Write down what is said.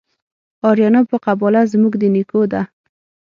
آریانا په قباله زموږ د نیکو ده